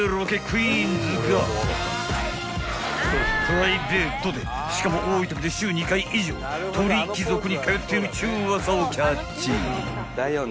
［プライベートでしかも多いときで週２回以上鳥貴族に通ってるっちゅうウワサをキャッチ］